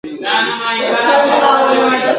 دا خیرات دی که ښادي که فاتحه ده !.